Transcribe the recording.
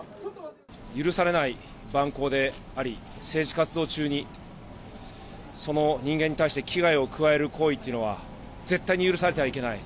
許されない蛮行であり、政治活動中にその人間に対して、危害を加える行為というのは、絶対に許されてはいけない。